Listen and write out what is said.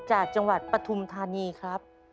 จากจังหวัดปฐุมธานีครับ